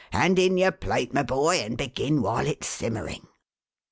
Hand in your plate, my boy, and begin while it's simmering."